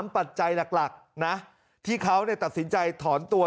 ปัจจัยหลักนะที่เขาตัดสินใจถอนตัว